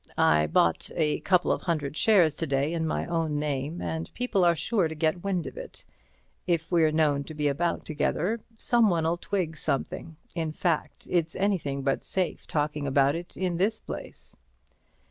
I bought a couple of hundred shares to day, in my own name, and people are sure to get wind of it. If we're known to be about together, someone'll twig something. In fact, it's anything but safe talking about it in this place."